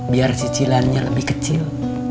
biar cicilannya lebih kecil